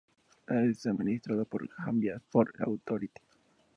Es administrado por Gambia Ports Authority.